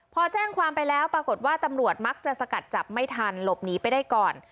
พอแจ้งความไปแล้วปรากฏว่าตำรวจมักจะสกัดจับไม่ทันหลบหนีไปได้ก่อน